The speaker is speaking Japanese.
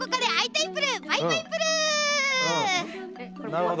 なるほど。